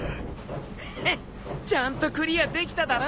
ヘッちゃんとクリアできただろ？